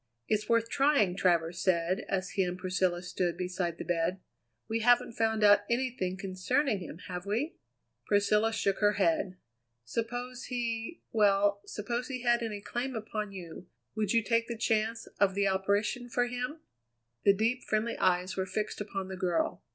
"It's worth trying," Travers said as he and Priscilla stood beside the bed. "We haven't found out anything concerning him, have we?" Priscilla shook her head. "Suppose he well, suppose he had any claim upon you, would you take the chance of the operation for him?" The deep, friendly eyes were fixed upon the girl.